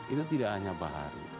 itu tidak hanya baharu